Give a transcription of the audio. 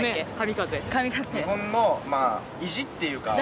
日本の意地っていうか。